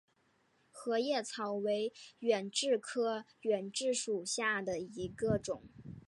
合叶草为远志科远志属下的一个种。